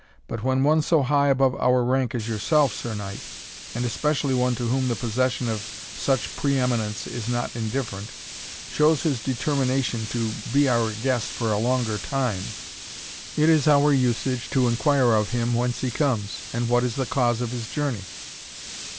But when one so high above our rank as yourself, Sir Knight, and especially one to whom the possession of such pre eminence is not indifferent, shows his determination to be our guest for a longer time, it is our usage to inquire of him whence he comes, and what is the cause of his journey?"